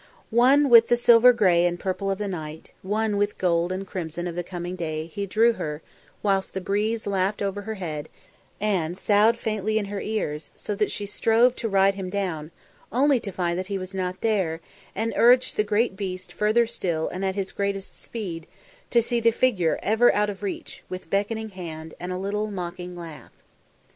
One with the silver grey and purple of the night, one with the gold and crimson of the coming day, he drew her, whilst the breeze laughed over her head and, soughed faintly in her ears, so that she strove to ride him down, only to find that he was not there; and urged the great beast further still and at his greatest speed, to see the figure ever out of reach, with beckoning hand; and little mocking laugh.